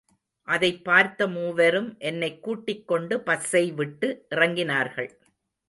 அதைப் பார்த்த மூவரும் என்னைக் கூட்டிக் கொண்டு பஸ்ஸை விட்டு இறங்கினார்கள்.